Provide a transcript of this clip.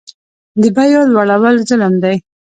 د بیو لوړول ظلم دی